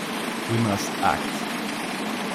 We must act.